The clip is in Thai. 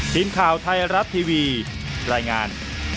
ทีมข่าวไทยรัฐทีวีรายงาน